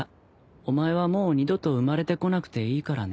お前はもう二度と生まれてこなくていいからね。